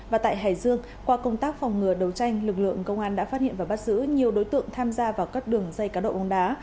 và tại hải dương qua công tác phòng ngừa đấu tranh lực lượng công an đã phát hiện và bắt giữ nhiều đối tượng tham gia vào các đường dây cá độ bóng đá